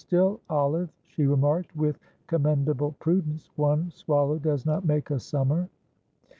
"Still, Olive," she remarked, with commendable prudence, "one swallow does not make a summer."